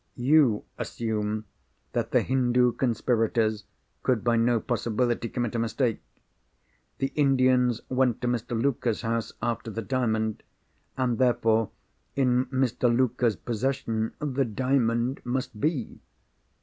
You assume that the Hindoo conspirators could by no possibility commit a mistake. The Indians went to Mr. Luker's house after the Diamond—and, therefore, in Mr. Luker's possession the Diamond must be!